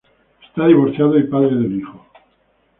Es divorciado y padre de un hijo.